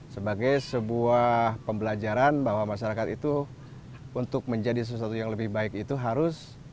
sebagai sebuah pembelajaran bahwa masyarakat itu untuk menjadi sesuatu yang lebih baik itu harus